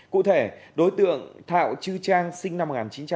cụ thể đối tượng thạo chư trang sinh năm một nghìn chín trăm bảy mươi một